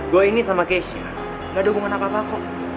gue ini sama kesha gak ada hubungan apa apa kok